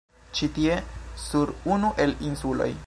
Ĉi tie sur unu el insuloj